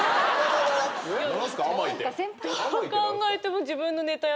どう考えても。